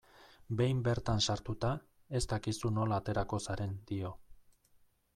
Behin bertan sartuta, ez dakizu nola aterako zaren, dio.